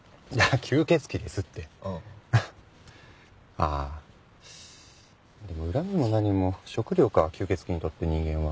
ああでも恨みも何も食料か吸血鬼にとって人間は。